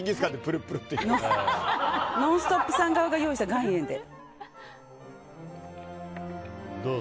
「ノンストップ！」さんが用意した岩塩で。